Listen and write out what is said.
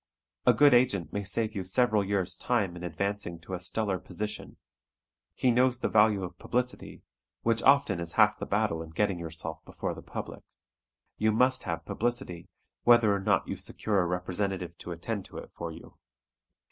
A good agent may save you several years' time in advancing to a stellar position. He knows the value of publicity, which often is half the battle in getting yourself before the public. You must have publicity, whether or not you secure a representative to attend to it for you.